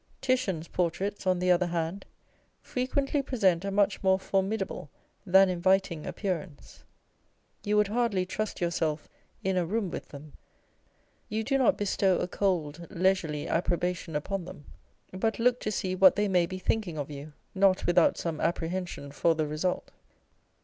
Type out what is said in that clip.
Titian's portraits, on the other hand, frequently present a much more formidable than inviting appearance. You would hardly trust yourself in a room with them. You do not bestow a cold, leisurely approbation upon them, but look to see what they may be thinking of you, not without some apprehension for the result.